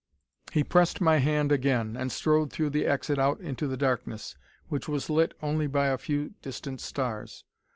He pressed my hand again, and strode through the exit out into the darkness, which was lit only by a few distant stars.